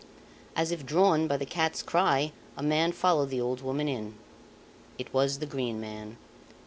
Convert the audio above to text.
As if drawn by the cat's cry a man followed the old woman in. It was the Green Man.